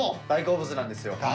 大好物なんですよ。